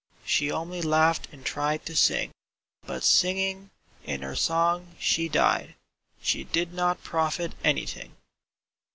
She only laughed and tried to sing. But singing, In her song she died. She did not profit anything.